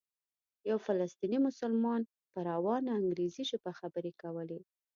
یو فلسطینی مسلمان په روانه انګریزي ژبه خبرې کولې.